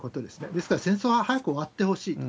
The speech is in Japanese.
ですから、戦争は早く終わってほしいと。